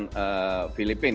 dan setelah itu ketemu filipina